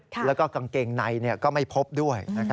แล้วก็กางเกงในก็ไม่พบด้วย